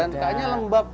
dan kayaknya lembab